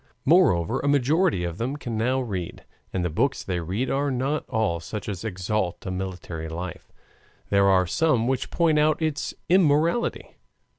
Moreover, a majority of them can now read, and the books they read are not all such as exalt a military life; there are some which point out its immorality.